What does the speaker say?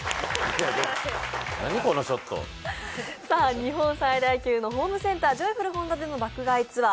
日本最大級のホームセンター、ジョイフル本田での爆買いツアー。